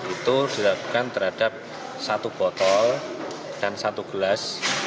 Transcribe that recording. itu dilakukan terhadap satu botol dan satu gelas